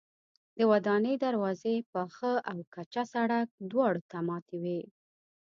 د ودانۍ دروازې پاخه او کچه سړک دواړو ته ماتې وې.